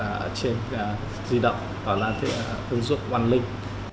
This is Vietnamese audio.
ở trên di động là ứng dụng quản lý